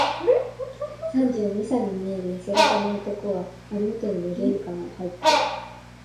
三十二、三に見えるやせ型の男が、張ホテルの玄関をはいって、